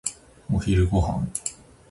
お昼ご飯。